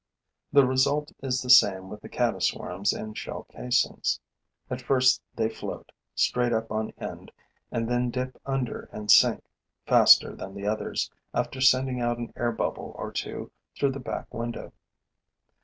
The result is the same with the caddis worms in shell casings. At first, they float, straight up on end, and then dip under and sink, faster than the others, after sending out an air bubble or two through the back window.